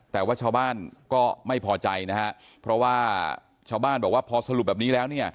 แต่ว่าชาวบ้านก็ไม่พอใจนะฮะเพราะว่าชาวบ้านบอกว่าพอสรุปแบบนี้แล้วเนี่ย